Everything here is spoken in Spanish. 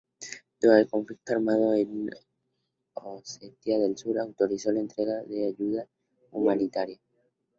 Durante el conflicto armado en Osetia del Sur, autorizó la entrega de ayuda humanitaria.